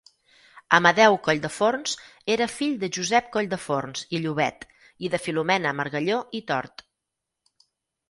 Amadeu Colldeforns era fill de Josep Colldeforns i Llobet i de Filomena Margalló i Tort.